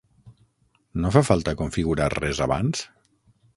No fa falta configurar res abans?